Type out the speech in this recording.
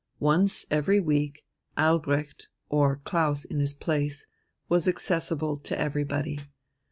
Once every week Albrecht, or Klaus in his place, was accessible to everybody.